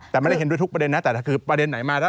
แต่ไม่ได้เห็นด้วยทุกประเด็นนะแต่ถ้าคือประเด็นไหนมาแล้ว